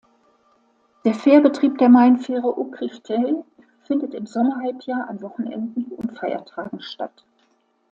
Der Fährbetrieb der Mainfähre Okriftel findet im Sommerhalbjahr an Wochenenden und Feiertagen statt.